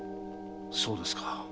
そうですか。